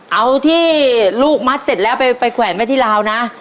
เอาที่ลูกมัดเสร็จแล้วไปแขวนไว้ที่ลาวนะ